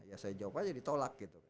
ya saya jawab aja ditolak gitu